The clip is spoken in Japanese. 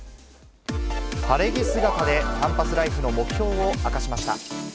晴れ着姿で、キャンパスライフの目標を明かしました。